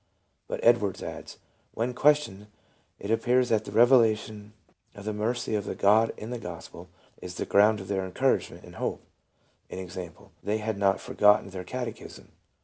But Edwards adds : when questioned " it appears that the revelation of the mercy of God in the Gospel, is the ground of their encouragement and hope," i. e., they had not forgotten their catechism.